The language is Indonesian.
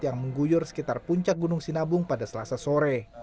yang mengguyur sekitar puncak gunung sinabung pada selasa sore